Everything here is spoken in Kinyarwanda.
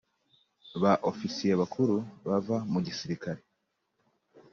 ba ofisiye bakuru bava mu gisirikare,